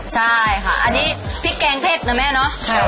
ใช่ค่ะอันนี้พริกแกงเผ็ดนะแม่เนาะ